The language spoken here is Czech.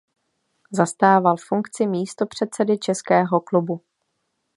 Zastával funkci místopředsedy Českého klubu.